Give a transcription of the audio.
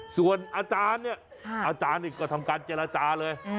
ส่วนอาจารย์เนี่ยอาจารย์นี่ก็ทำการเจรจาเลย